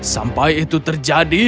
sampai itu terjadi